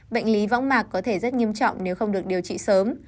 bệnh lý võng mạc có thể rất nghiêm trọng nếu không được điều trị sớm